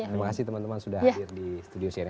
terima kasih teman teman sudah hadir di studio cnn